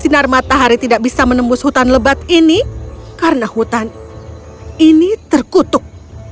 sinar matahari tidak bisa menembus hutan lebat ini karena hutan ini terkutuk